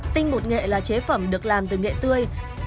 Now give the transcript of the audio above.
tinh bột nghệ là chế phẩm được làm từ nghệ tươi